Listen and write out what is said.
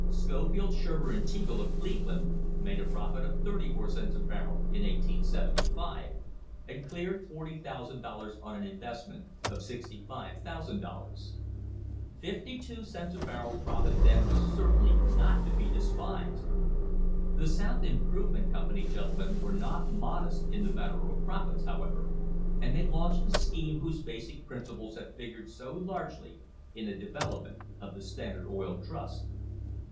Scofield, Shurmer and Teagle, of Cleve land, made a profit of thirty four cents a barrel in 1875, an( ^ cleared $40,000 on an investment of $65,000. Fifty two cents a barrel profit then was certainly not to be despised. The South Improvement Company gentlemen were not modest in the matter of profits, however, and they launched the scheme whose basic principles have figured so largely in the devel opment of the Standard Oil Trust.